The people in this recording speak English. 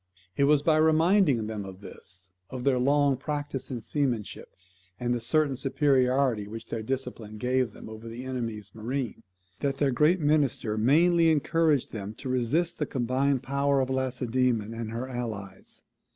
It was by reminding them of this, of their long practice in seamanship, and the certain superiority which their discipline gave them over the enemy's marine, that their great minister mainly encouraged them to resist the combined power of Lacedaemon and her allies.